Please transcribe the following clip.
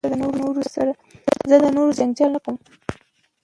زه له نورو سره جنجال نه کوم.